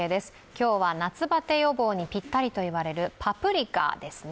今日は夏バテ予防にぴったりと言われるパプリカですね。